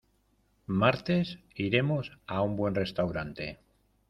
Martes iremos a un buen restaurante.